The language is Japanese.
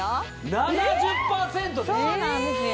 ７０％ですよ！？